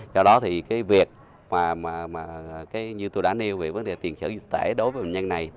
do đó thì cái việc như tôi đã nêu về tiền chở dịch tễ đối với bệnh nhân này